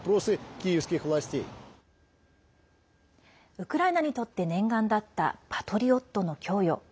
ウクライナにとって念願だった「パトリオット」の供与。